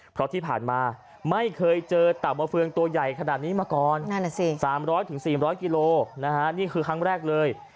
เพราะที่ผ่านมาไม่เคยเจอเต่ามาเฟืองตัวใหญ่ขนาดนี้มาก่อน๓๐๐๔๐๐กิโลนะฮะนี่คือครั้งแรกเลย